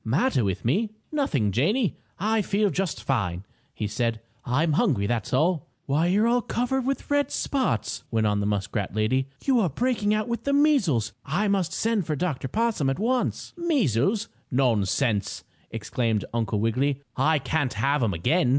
"Matter with me? Nothing, Janie! I feel just fine!" he said. "I'm hungry, that's all!" "Why, you're all covered with red spots!" went on the muskrat lady. "You are breaking out with the measles. I must send for Dr. Possum at once." "Measles? Nonsense!" exclaimed Uncle Wiggily. "I can't have 'em again.